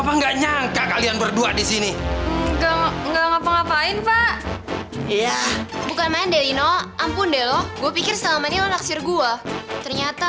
pakai cara ngurung diri segala lagi di gudang